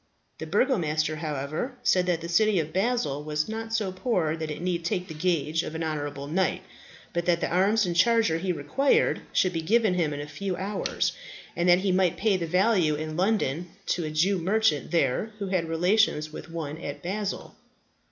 The Burgomaster, however, said that the city of Basle was not so poor that it need take the gage of an honourable knight, but that the arms and charger he required should be given him in a few hours, and that he might pay the value in London to a Jew merchant there who had relations with one at Basle.